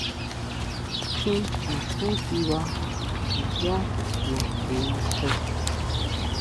Tjín naxí tiba ndiyá naxi tsjen.